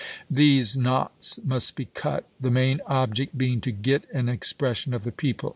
These knots must be cut, the main object being to get an expression of the people.